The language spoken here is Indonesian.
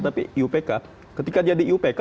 tapi iupk ketika jadi iupk